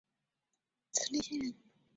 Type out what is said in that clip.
明朝洪武二年降为慈利县。